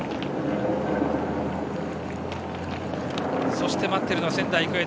そして待っているのは仙台育英。